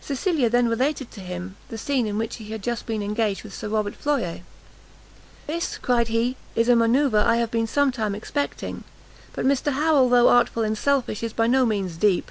Cecilia then related to him the scene in which she had just been engaged with Sir Robert Floyer. "This," cried he, "is a manoeuvre I have been some time expecting; but Mr Harrel, though artful and selfish, is by no means deep.